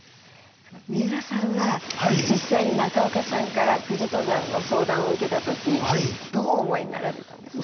三浦さんは実際に中岡さんから富士登山の相談を受けた時どうお思いになられたんですか？